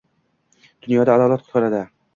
Dunyoni adolat qutqaradi